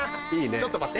ちょっと待って。